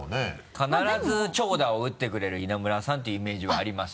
必ず長打を打ってくれる稲村さんていうイメージはあります。